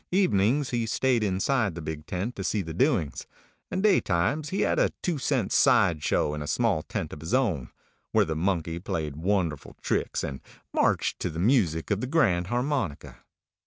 Evenings he staid inside the big tent to see the doings, and daytimes he had a two cent side show in a small tent of his own, where the monkey played wonderful tricks, and marched to the music of the grand harmonica.